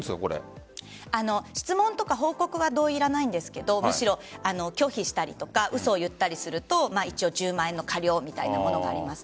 質問や報告は同意がいらないんですが拒否したり嘘を言ったりすると１０万円の過料みたいなものがあります。